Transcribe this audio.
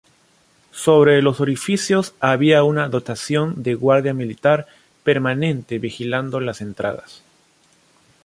Sobre los orificios había una dotación de guardia militar permanente vigilando las entradas.